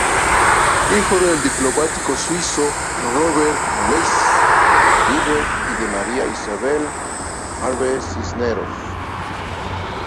Hijo del diplomático suizo Roberto Weiss Biber y de María Isabel Harvey Cisneros.